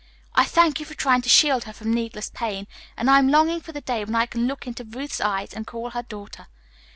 I thank you for trying to shield her from needless pain, and I am longing for the day when I can look into Ruth's eyes and call her daughter.